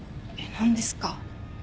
何ですか？